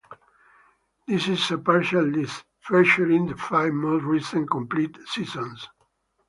This is a partial list, featuring the five most recent completed seasons.